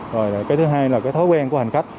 rồi cái thứ hai là cái thói quen của hành khách